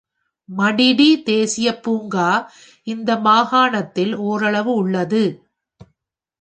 மடிடி தேசிய பூங்கா இந்த மாகாணத்தில் ஓரளவு உள்ளது.